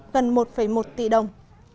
gần một một tỷ đồng